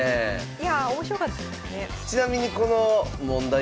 いやあ面白かったですね。